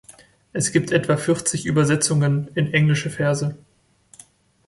Es gibt etwa vierzig Übersetzungen in englische Verse.